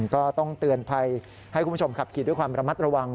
ก็ต้องเตือนภัยให้คุณผู้ชมขับขี่ด้วยความระมัดระวัง